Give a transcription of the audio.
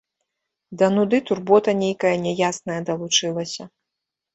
Да нуды турбота нейкая няясная далучылася.